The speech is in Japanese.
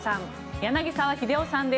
柳澤秀夫さんです。